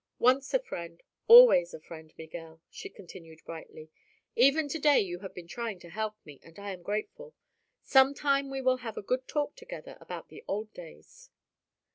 "Once a friend, always a friend, Miguel," she continued brightly. "Even to day you have been trying to help me, and I am grateful. Some time we will have a good talk together about the old days."